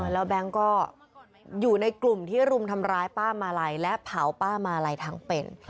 แล้วแบงค์ก็อยู่ในกลุ่มที่รุมทำร้ายป้ามาลัยและเผาป้ามาลัยทั้งเป็น